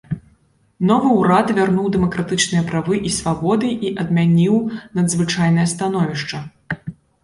Новы ўрад вярнуў дэмакратычныя правы і свабоды і адмяніў надзвычайнае становішча.